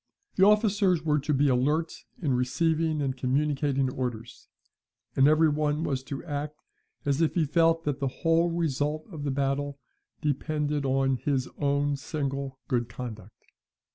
The officers were to be alert in receiving and communicating orders; and every one was to act as if he felt that the whole result of the battle depended on his own single good conduct.